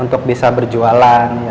untuk bisa berjualan